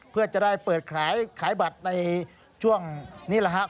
เพื่อจะได้เปิดขายขายบัตรในช่วงนี้แหละครับ